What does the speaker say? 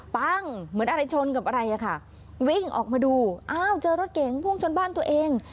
เหมือนอะไรชนกับอะไรอ่ะค่ะวิ่งออกมาดูอ้าวเจอรถเก๋งพุ่งชนบ้านตัวเอง